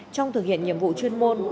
trong thực hiện nhiệm vụ chuyên môn